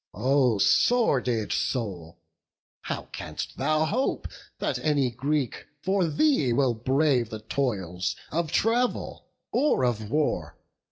oh, sordid soul! How canst thou hope that any Greek for thee Will brave the toils of travel or of war?